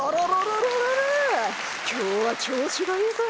今日は調子がいいぜ」。